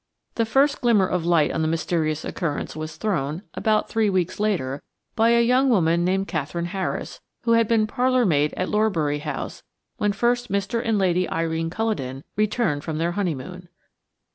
The first glimmer of light on the mysterious occurrence was thrown, about three weeks later, by a young woman named Katherine Harris, who had been parlour maid at Lorbury House when first Mr. and Lady Irene Culledon returned from their honeymoon.